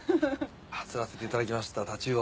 釣らせていただきました太刀魚。